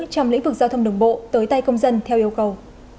trong lĩnh vực giao thông đường bộ tới tay công dân theo yêu cầu